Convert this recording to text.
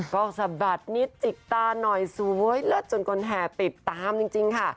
ก็สะบัดนิดจิกตาหน่อยสวยเลิศจนคนแห่ติดตามจริงค่ะ